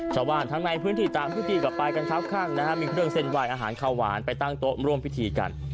ชาวบ้านทั้งในพื้นที่ต่างพื้นที่ก็ไปกันครับข้างนะฮะมีเครื่องเส้นไหว้อาหารข้าวหวานไปตั้งโต๊ะร่วมพิธีกัน